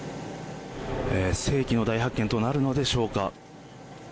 世紀の大発見となるのでしょうか。